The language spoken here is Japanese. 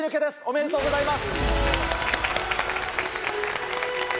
おめでとうございます。